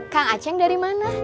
kang aceng dari mana